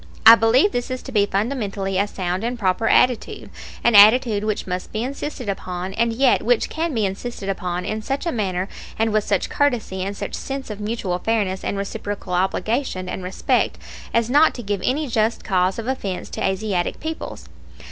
I believe this to be fundamentally a sound and proper attitude, an attitude which must be insisted upon, and yet which can be insisted upon in such a manner and with such courtesy and such sense of mutual fairness and reciprocal obligation and respect as not to give any just cause of offense to Asiatic peoples.